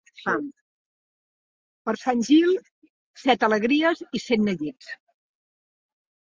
Per Sant Gil, set alegries i cent neguits.